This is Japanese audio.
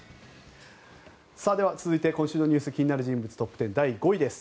では続いて今週の気になる人物トップ１０第５位です。